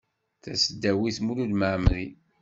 Tasdawit Mulud Mɛemmri.